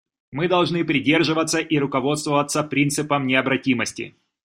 Мы должны придерживаться и руководствоваться принципом необратимости.